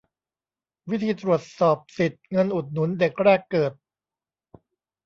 วิธีตรวจสอบสิทธิ์เงินอุดหนุนเด็กแรกเกิด